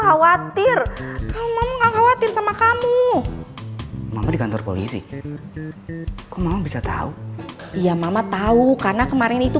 khawatir kamu mama khawatir sama kamu mama di kantor polisi bisa tahu ya mama tahu karena kemarin itu